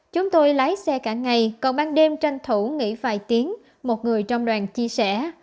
chúng tôi lái xe cả ngày còn ban đêm tranh thủ nghỉ vài tiếng một người trong đoàn chia sẻ